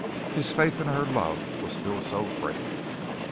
His faith in her love was still so great.